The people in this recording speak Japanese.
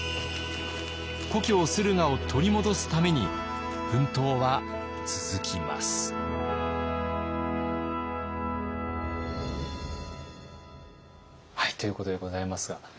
故郷駿河を取り戻すために奮闘は続きます。ということでございますが。